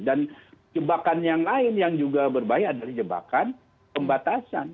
dan jebakan yang lain yang juga berbahaya adalah jebakan pembatasan